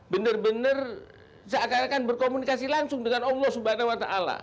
benar benar seakan akan berkomunikasi langsung dengan allah swt